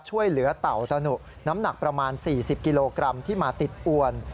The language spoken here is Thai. ช่วยเหลือเต่าตะหนุน้ำหนักประมาณ๔๐กิโลกรัมที่มาติดอวน